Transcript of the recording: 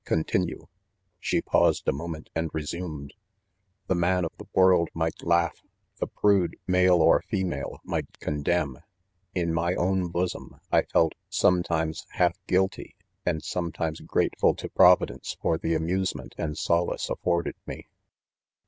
continue. She paused a mo ment and resumed :£ The man of the world, might laugh 5 — the prude, male or female^ might condemn. In my own bosom I felt sometimes half guilty, and sometimes grateful to providence for the amusement and solace afforded me.